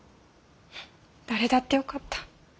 フッ誰だってよかった。